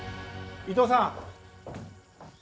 伊藤さん！